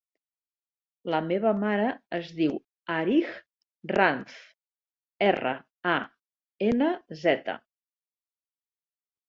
La meva mare es diu Arij Ranz: erra, a, ena, zeta.